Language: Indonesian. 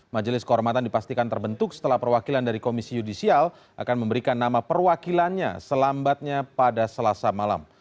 majelis kehormatan dipastikan terbentuk setelah perwakilan dari komisi yudisial akan memberikan nama perwakilannya selambatnya pada selasa malam